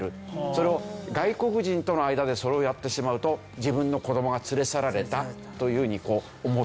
それを外国人との間でそれをやってしまうと「自分の子どもが連れ去られた」というふうに思ってしまう。